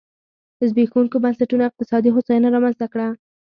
زبېښونکو بنسټونو اقتصادي هوساینه رامنځته کړه.